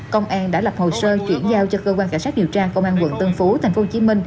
công an đã lập hồ sơ chuyển giao cho cơ quan cảnh sát điều tra công an quận tân phú tp hcm